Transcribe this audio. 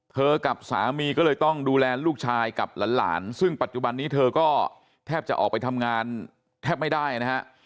กับสามีก็เลยต้องดูแลลูกชายกับหลานซึ่งปัจจุบันนี้เธอก็แทบจะออกไปทำงานแทบไม่ได้นะฮะ